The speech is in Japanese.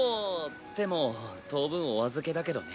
でも当分お預けだけどね。